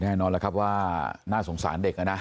แน่นอนแล้วครับว่าน่าสงสารเด็กนะ